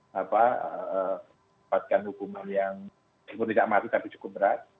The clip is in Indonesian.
dapatkan hukuman yang tidak mati tapi cukup berat